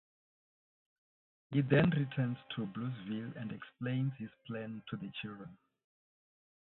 He then returns to Bluesville and explains his plan to the children.